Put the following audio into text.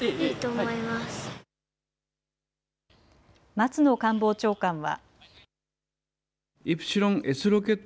松野官房長官は。